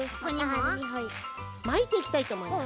まいていきたいとおもいます。